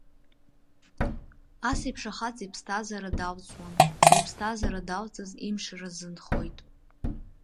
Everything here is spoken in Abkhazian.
Асеиԥш ахаҵа иԥсҭазаара далҵуам, зыԥсҭазаара далҵыз имшра рзынхоит.